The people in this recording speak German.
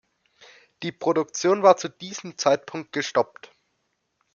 Die Produktion war zu diesem Zeitpunkt gestoppt.